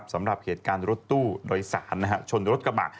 สำหรับเหตุการณ์รถตู้โดยสารชนรถกระบะ